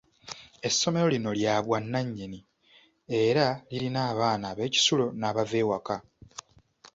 Essomero lino lya bwanannyini, era lirina abaana ab'ekisulo n'abava ewaka.